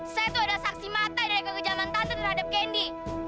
saya tuh ada saksi mata dari kekejaman tante terhadap kendi